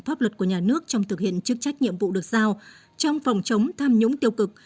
pháp luật của nhà nước trong thực hiện chức trách nhiệm vụ được giao trong phòng chống tham nhũng tiêu cực